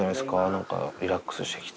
なんかリラックスしてきて。